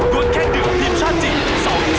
ด้วยแข่งเดือดทีมชาติจีน